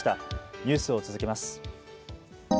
ニュースを続けます。